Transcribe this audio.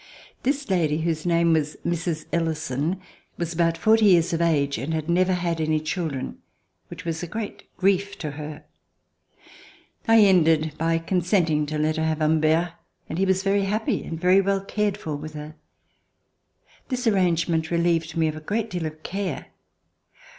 This lady, whose name was Mrs. Ellison, was about forty years of age and had never had any children, which had been a great grief to her. I ended by con senting to let her have Humbert, and he was very happy and very well cared for with her. This ar rangement relieved me of a great deal of care.